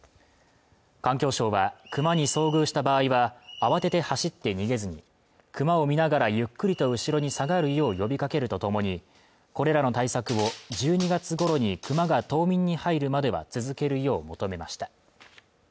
環境省はクマに遭遇した場合は慌てて走って逃げずにクマを見ながらゆっくりと後ろに下がるよう呼び掛けるとともにこれらの対策を１２月ごろにクマが冬眠に入るまでは続けるよう求めました